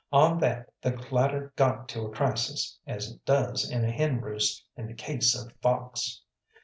On that the clatter got to a crisis, as it does in a hen roost in the case of fox.